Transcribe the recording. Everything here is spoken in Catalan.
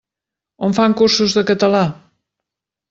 On fan cursos de català?